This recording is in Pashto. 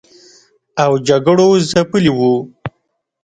او جګړو ځپلي و